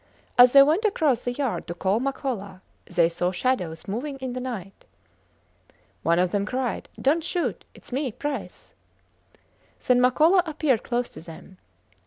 As they went across the yard to call Makola, they saw shadows moving in the night. One of them cried, Dont shoot! Its me, Price. Then Makola appeared close to them.